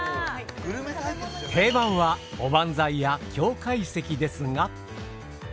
定番はおばんざいや京懐石ですが。